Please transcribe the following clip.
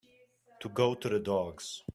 To go to the dogs